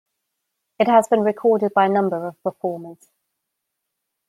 It has been recorded by a number of performers.